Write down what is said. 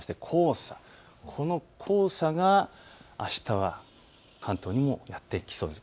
この黄砂があしたは関東にもやって来そうです。